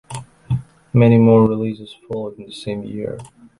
Many more releases followed in the same year.